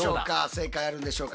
正解あるんでしょうか。